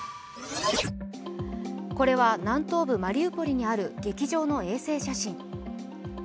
これは南東部マリウポリにある劇場の衛星写真。